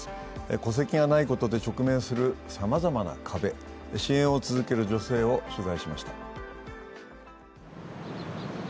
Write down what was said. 戸籍がないことで直面するさまざまな壁、支援を続ける女性を取材しました。